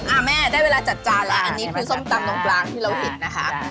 อ่าแม่ได้เวลาจัดจานแล้วอันนี้คือส้มตำตรงกลางที่เราเห็นนะคะ